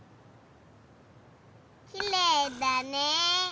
きれいだね。